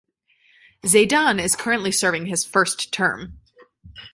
Zeydan is currently serving his first term.